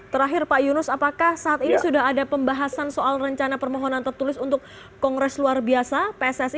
terakhir pak yunus apakah saat ini sudah ada pembahasan soal rencana permohonan tertulis untuk kongres luar biasa pssi